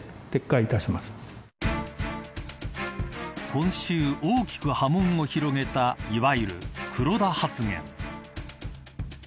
今週、大きく波紋を広げたいわゆる、黒田発言。